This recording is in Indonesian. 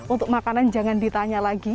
untuk makanan jangan ditanya lagi